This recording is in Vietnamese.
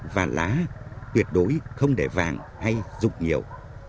và lá tuyệt đối không để vàng hay rục nhiều